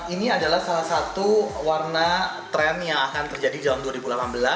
ini adalah salah satu warna tren yang akan terjadi tahun dua ribu delapan belas